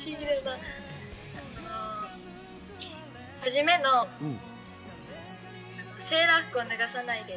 初めの『セーラー服を脱がさないで』。